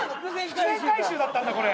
伏線回収だったんだこれ。